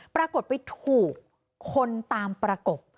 ปรากฏไปถูกคนตามประกบ